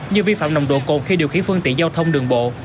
như vi phạm nồng độ cồn khi điều khiển phương tiện giao thông đường bộ